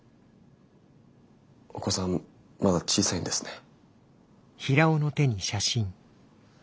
お子さんまだ小さいんですね。